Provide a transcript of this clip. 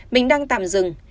mình đang tạm dừng